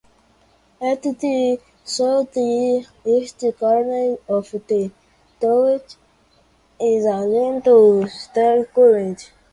At the south east corner of the tower is a lean-to stair turret.